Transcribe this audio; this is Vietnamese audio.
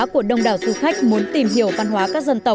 của đông đảo du khách muốn tìm hiểu văn hóa các dân tộc